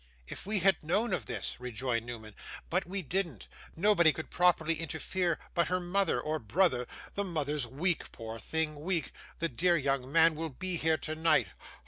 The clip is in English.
' If we had known of this,' rejoined Newman. 'But we didn't. Nobody could properly interfere but her mother or brother. The mother's weak poor thing weak. The dear young man will be here tonight.